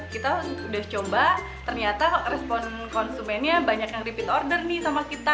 kita sudah coba ternyata respon konsumennya banyak yang repeat order nih sama kita